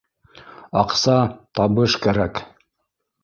Аҡса, табыш кәрәк